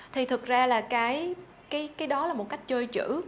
thì thực ra là cái đó là một cách chơi chữ